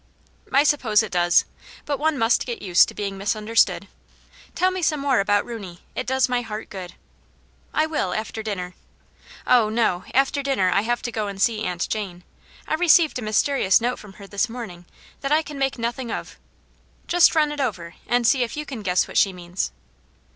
"I suppose it does. But one must get used to being misunderstood. Tell me some more about Rooney ; it does my heart good." *' I will, after dinner. Oh, no ; after dinner I have to go and see Aunt Jane. I received a mysterious note from her this morning that I can make nothing of. Just run it over and see if you can guess what she means."